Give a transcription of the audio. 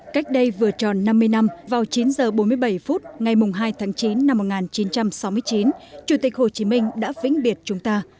cách đây vừa tròn năm mươi năm vào chín h bốn mươi bảy phút ngày hai tháng chín năm một nghìn chín trăm sáu mươi chín chủ tịch hồ chí minh đã vĩnh biệt chúng ta